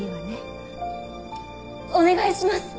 お願いします！